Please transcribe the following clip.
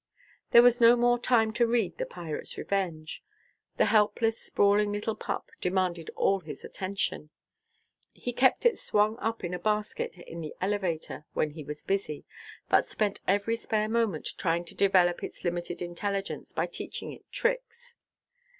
There was no more time to read "The Pirate's Revenge." The helpless, sprawling little pup demanded all his attention. He kept it swung up in a basket in the elevator, when he was busy, but spent every spare moment trying to develop its limited intelligence by teaching it tricks.